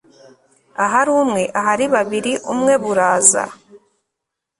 Ahari umwe ahari babiri ubumwe buraza